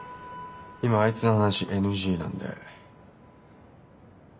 今あいつの話ＮＧなんで。